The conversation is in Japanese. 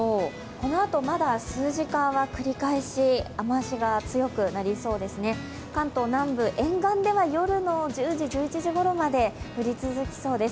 このあとまだ数時間は繰り返し雨足が強くなりそうですね、関東南部、沿岸では夜の１０時、１１時ごろまで降り続きそうです。